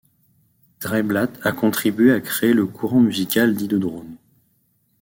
Dreyblatt a contribué à créer le courant musical dit de drone.